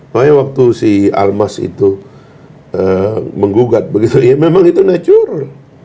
makanya waktu si almas itu menggugat begitu ya memang itu natural